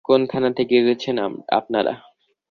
কোন থানা থেকে এসেছেন আপনারা?